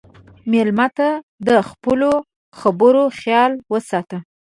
مېلمه ته د خپلو خبرو خیال وساته.